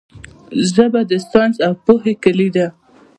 ژبه د ساینس او پوهې کیلي ده.